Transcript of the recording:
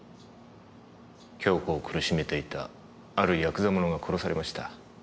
杏子を苦しめていたあるヤクザ者が殺されました。